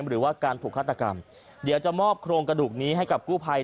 หรือว่าการถูกฆาตกรรมเดี๋ยวจะมอบโครงกระดูกนี้ให้กับกู้ภัย